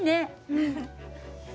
うん。